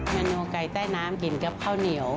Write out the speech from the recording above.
เมนูไก่ใต้น้ำกินกับข้าวเหนียว